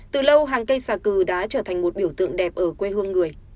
từ lâu hàng cây xà cừ đã trở thành một biểu tượng đẹp ở quê hương người